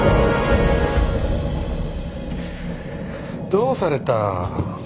どうされた。